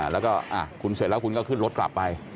แล้วก็ขึ้นรถกลับไป